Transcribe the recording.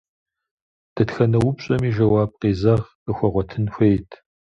Дэтхэнэ упщӏэми жэуап къезэгъ къыхуэгъуэтын хуейт.